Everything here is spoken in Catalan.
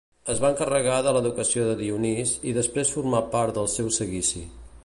Es va encarregar de l'educació de Dionís, i després formà part del seu seguici.